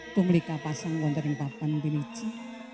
tunggulika pasang wonteneng bapak binici